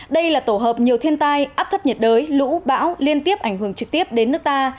đây là tổ hợp nhiều thiên tai áp thấp nhiệt đới lũ bão liên tiếp ảnh hưởng trực tiếp đến nước ta